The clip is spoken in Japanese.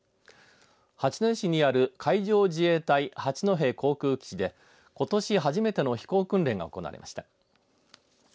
八戸市にある海上自衛隊八戸航空基地でことし初めての飛行訓練が行われました。